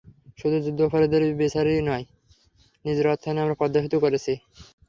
শুধু যুদ্ধাপরাধীদের বিচারই হচ্ছে না, নিজের অর্থায়নে আমরা পদ্মা সেতু করছি।